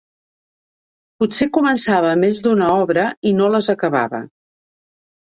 Potser començava més d’una obra i no les acabava.